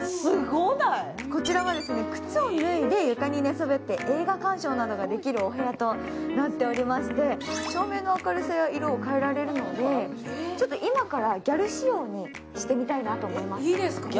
こちらは靴を脱いで床に寝そべって映画鑑賞できるお部屋になっておりまして照明の明るさや色を変えられるので、今からギャル仕様にしてみたいと思います。